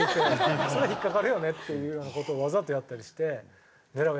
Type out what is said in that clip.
それ引っかかるよねっていうような事をわざとやったりして狙うヤツもいます。